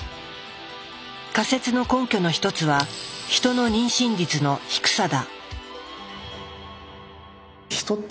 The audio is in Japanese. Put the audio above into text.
仮説の根拠の一つはヒトの妊娠率の低さだ。